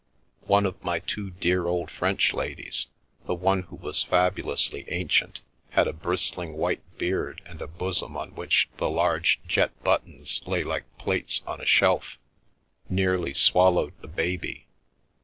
One of my two dear old French ladies (the one who was fabulously ancient, had a bristling white beard and a bosom on which the large jet buttons lay like plates on a shelf) nearly swallowed the baby.